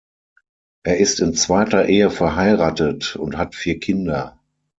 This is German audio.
Er ist in zweiter Ehe verheiratet und hat vier Kinder.